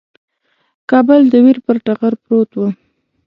کابل د ویر پر ټغر پروت وو.